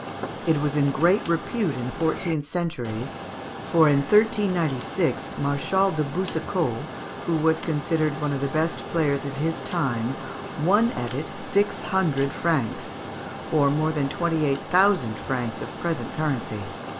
It was in great repute in the fourteenth century, for in 1396 Marshal de Boucicault, who was considered one of the best players of his time, won at it six hundred francs (or more than twenty eight thousand francs of present currency).